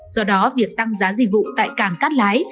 do đó việc tăng giá dịch vụ tại cảng cát lái